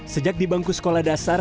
sejak di bangku sekolah dasar